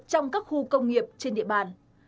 trong các khu công nghiệp trên địa bàn